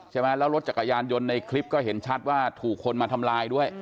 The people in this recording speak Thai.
ใช่ไหมแล้วรถจักรยานยนต์ในคลิปก็เห็นชัดว่าถูกคนมาทำลายด้วย